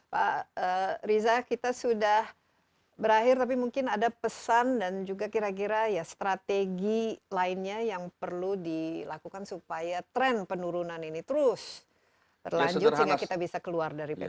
pak riza kita sudah berakhir tapi mungkin ada pesan dan juga kira kira ya strategi lainnya yang perlu dilakukan supaya tren penurunan ini terus berlanjut sehingga kita bisa keluar dari ppkm